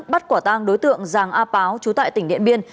bắt quả tang đối tượng giàng a páo trú tại tỉnh điện biên